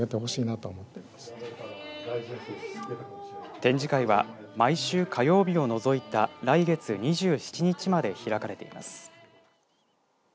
展示会は毎週火曜日を除いた来月２７日まで開かれています。